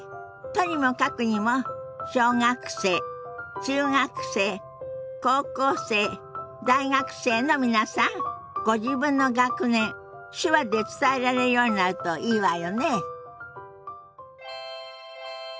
とにもかくにも小学生中学生高校生大学生の皆さんご自分の学年手話で伝えられるようになるといいわよね。